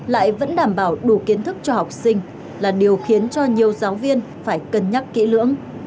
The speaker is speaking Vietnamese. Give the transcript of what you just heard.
lại vẫn đảm bảo đủ kiến thức cho học sinh là điều khiến cho nhiều giáo viên phải cân nhắc kỹ lưỡng